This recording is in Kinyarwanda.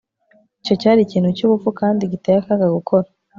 Icyo cyari ikintu cyubupfu kandi giteye akaga gukora